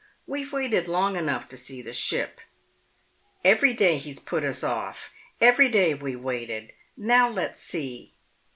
We've waited long enough to see the ship. Every day he's put us off, every day we've waited, now let's see."